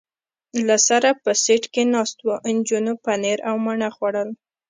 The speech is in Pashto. له سره په سېټ کې ناست و، نجونو پنیر او مڼه خوړل.